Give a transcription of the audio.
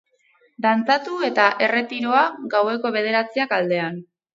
Dantzatu eta erretiroa, gaueko bederatziak aldean.